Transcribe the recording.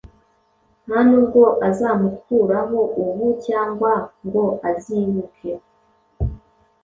Nta nubwo azamukuraho ubu, cyangwa ngo azibuke,